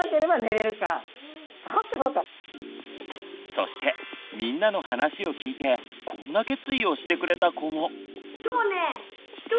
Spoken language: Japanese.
そしてみんなの話を聞いてこんな決意をしてくれた子も。